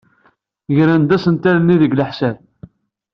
Gren-d asentel-nni deg leḥsab.